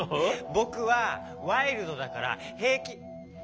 ぼくはワイルドだからへいき。